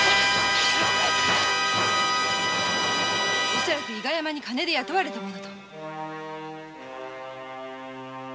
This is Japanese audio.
おそらく伊賀山に金で雇われたものと。